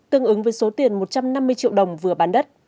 tương ứng với số tiền một trăm năm mươi triệu đồng vừa bán đất